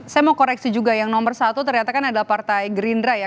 saya mau koreksi juga yang nomor satu ternyata kan adalah partai gerindra ya